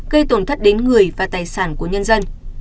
gây tổn thất đến người và tài sản của nhân dân